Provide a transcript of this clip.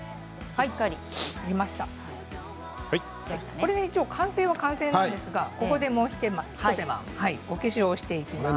これで完成は完成なんですがここでもう一手間お化粧していきます。